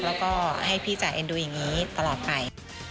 แล้วก็ให้พี่จ๋าเอ็นดูอย่างนี้ตลอดไป